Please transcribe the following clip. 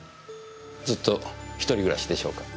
ずっと一人暮らしでしょうか？